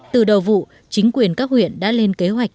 từ đầu vụ chính quyền các huyện đã lên kế hoạch